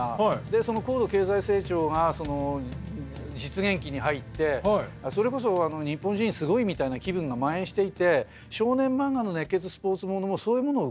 でその高度経済成長が実現期に入ってそれこそ「日本人すごい」みたいな気分がまん延していて少年漫画の熱血スポーツものもそういうものを受け継いでるわけですね。